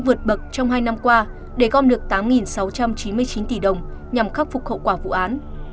bị cáo dũng vượt bậc trong hai năm qua để gom được tám sáu trăm chín mươi chín tỷ đồng nhằm khắc phục khẩu quả vụ án